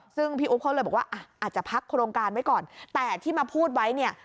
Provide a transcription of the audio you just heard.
ซึ่งพี่อุ๊บเขาเลยบอกว่าอ่ะอาจจะพักโครงการไว้ก่อนแต่ที่มาพูดไว้เนี่ย